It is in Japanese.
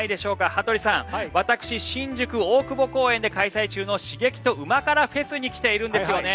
羽鳥さん、私新宿・大久保公園で開催中の刺激と旨辛ＦＥＳに来ているんですよね。